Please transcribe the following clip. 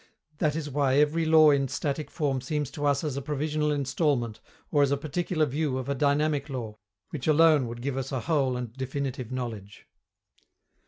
That is why every law in static form seems to us as a provisional instalment or as a particular view of a dynamic law which alone would give us whole and definitive knowledge.